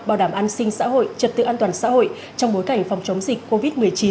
bảo đảm an sinh xã hội trật tự an toàn xã hội trong bối cảnh phòng chống dịch covid một mươi chín